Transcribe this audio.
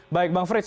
baik bang frits